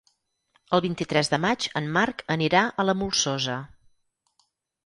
El vint-i-tres de maig en Marc anirà a la Molsosa.